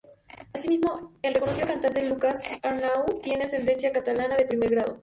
Asimismo, el reconocido cantante Lucas Arnau tiene ascendencia catalana de primer grado.